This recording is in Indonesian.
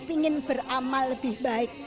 ingin beramal lebih baik